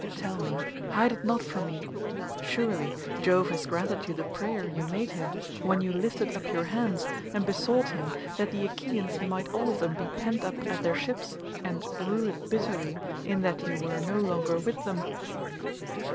Tell me; hide it not from me. Surely Jove has granted you the prayer you made him, when you lifted up your hands and besought him that the Achaeans might all of them be pent up at their ships, and rue it bitterly in that you were no longer with them."